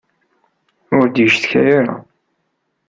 Ur d-yeccetka ara.